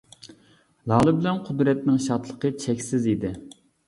لالە بىلەن قۇدرەتنىڭ شادلىقى چەكسىز ئىدى.